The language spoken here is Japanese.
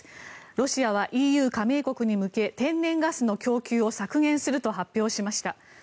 ロシアはＥＵ加盟国に向け天然ガスの供給を削減すると発表しました。